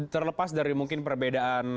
terlepas dari mungkin perbedaan